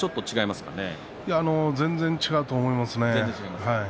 全然違うと思います。